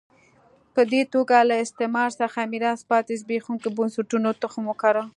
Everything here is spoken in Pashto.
په دې توګه له استعمار څخه میراث پاتې زبېښونکو بنسټونو تخم وکره.